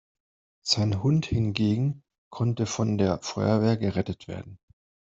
Sein Hund hingegen konnte von der Feuerwehr gerettet werden.